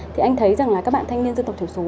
thì anh thấy rằng là các bạn thanh niên dân tộc thiểu số